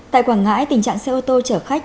tại quảng ngãi tình trạng xe ô tô chở khách